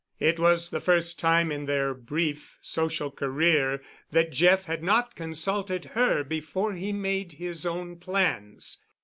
It was the first time in their brief social career that Jeff had not consulted her before he made his own plans.